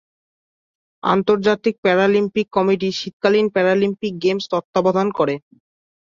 আন্তর্জাতিক Paralympic committee শীতকালীন Paralympic games তত্ত্বাবধান করে।